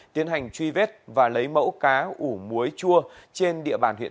tiến hành truy vết và lấy mẫu cá ủ muối chua trên địa bàn huyện